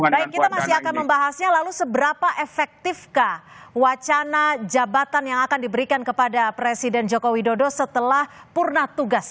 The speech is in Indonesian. baik kita masih akan membahasnya lalu seberapa efektifkah wacana jabatan yang akan diberikan kepada presiden joko widodo setelah purna tugas